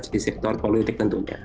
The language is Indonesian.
di sektor politik tentunya